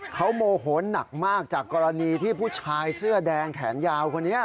เขาโมโหหนักมากจากกรณีที่ผู้ชายเสื้อแดงแขนยาวคนนี้